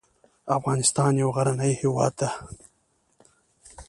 افغانستان یو غرنې هیواد ده